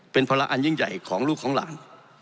เป็นภาระอันยิ่งใหญ่ของลูกของหลาน